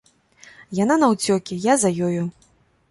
Яна наўцёкі, я за ёю.